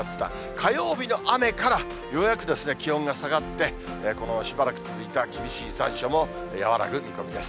火曜日の雨からようやく気温が下がって、このしばらく続いた厳しい残暑も和らぐ見込みです。